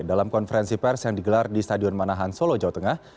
dalam konferensi pers yang digelar di stadion manahan solo jawa tengah